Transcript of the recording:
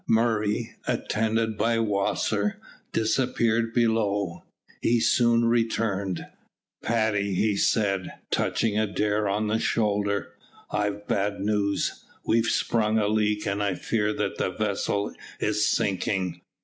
Murray, attended by Wasser, disappeared below. He soon returned. "Paddy," he said, touching Adair on the shoulder, "I've bad news. We've sprung a leak, and I fear that the vessel is sinking."